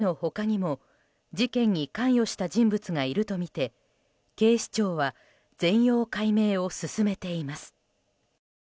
狛江市の強盗殺人事件では４人の他にも事件に関与した人物がいるとみて警視庁は全容解明を進めています。